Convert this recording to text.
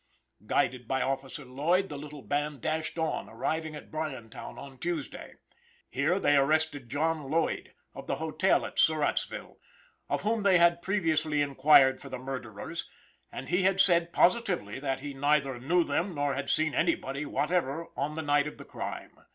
Guided by Officer Lloyd, the little band dashed on, arriving at Bryantown on Tuesday. Here they arrested John Lloyd, of the hotel at Surrattsville, of whom they had previously inquired for the murderers, and he had said positively that he neither knew them nor had seen anybody whatever on the night of the crime.